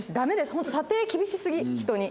ホント査定厳しすぎ人に。